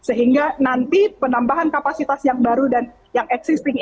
sehingga nanti penambahan kapasitas yang baru dan yang existing ini